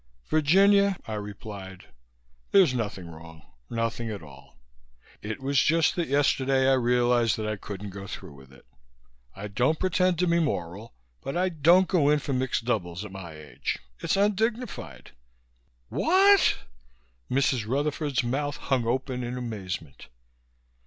"Virginia," I replied, "There's nothing wrong. Nothing at all. It was just that yesterday I realized that I couldn't go through with it. I don't pretend to be moral but I won't go in for mixed doubles at my age. It's undignified." "What!" Mrs. Rutherford's mouth hung open in amazement.